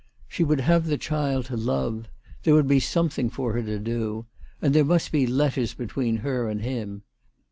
She would have the child to love. There would be something for her to do. And there must be letters between her and him.